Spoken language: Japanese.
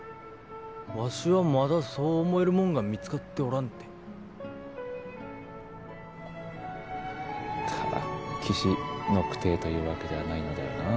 わしはまだそう思えるもんが見つかっておらんってからっきしのくてぇってわけではないのだよなあ